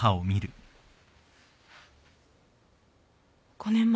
５年前。